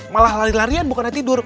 malah lari larian bukannya tidur